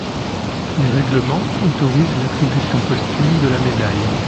Les règlements autorisent l'attribution posthume de la médaille.